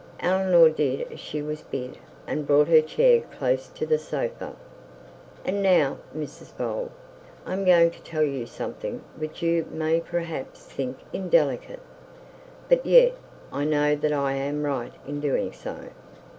Eleanor did as she was bid, and brought her chair closer to the sofa. 'And now, Mrs Bold, I am going to tell you something which you may think indelicate; but yet I know that I am right in doing so.'